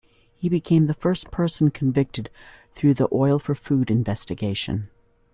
He became the first person convicted through the oil-for-food investigation.